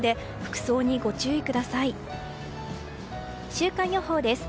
週間予報です。